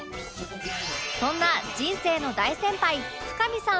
そんな人生の大先輩深見さん